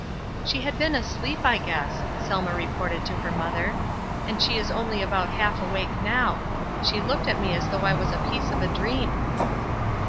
"She had been asleep, I guess," Selma re ported to her mother. "And she is only about half awake now ; she looked at me as though I was a piece of a dream."